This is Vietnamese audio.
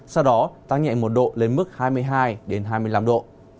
sau đó tăng nhẹ một độ lên mức hai mươi hai hai mươi năm độ